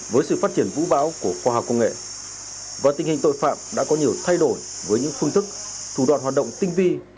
với sự phát triển vũ bão của khoa học công nghệ và tình hình tội phạm đã có nhiều thay đổi với những phương thức thủ đoạn hoạt động tinh vi